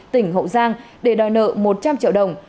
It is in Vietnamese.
tỉnh hậu giang để đòi nợ một trăm linh triệu đồng